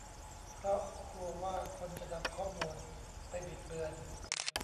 เพราะกลัวว่าคนจะนำข้อมูลไปบิดเบือน